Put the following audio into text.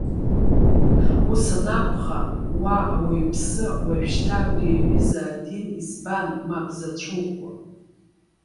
Ус анакәха, уа ауаҩԥсы! Уажәшьҭа, абри аҩыза адин, избан мап зацәукуа?